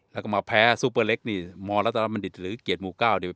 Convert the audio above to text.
แล้วก็มาแพ้ซุปเปอร์เล็กเนี่ยมลตรมันดิตหรือเกียรติมูก้าวเนี่ย